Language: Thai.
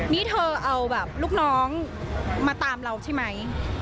นี่เธอเอาแบบลูกน้องมาตามเราใช่ไหม